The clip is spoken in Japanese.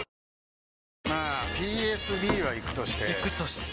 まあＰＳＢはイクとしてイクとして？